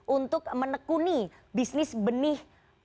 untuk menekuni bisnis benih